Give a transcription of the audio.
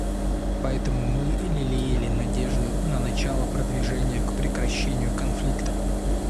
Поэтому мы лелеяли надежду на начало продвижения к прекращению конфликта.